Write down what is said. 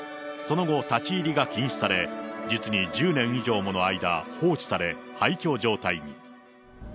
その後、立ち入りが禁止され、実に１０年以上もの間、放置され、廃虚状態に。